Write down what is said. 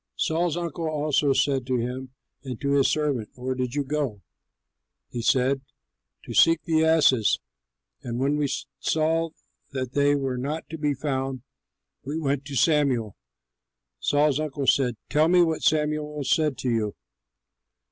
Saul's uncle also said to him and to his servant, "Where did you go?" He said, "To seek the asses; and when we saw that they were not to be found, we went to Samuel." Saul's uncle said, "Tell me what Samuel said to you."